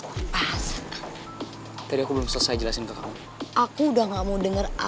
aku udah gak mau denger aja kamu ngomong sama aku bentar aja